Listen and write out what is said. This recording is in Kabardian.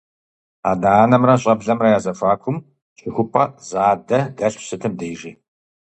Адэ-анэмрэ щӀэблэмрэ я зэхуакум щыхупӀэ задэ дэлъщ сытым дежи.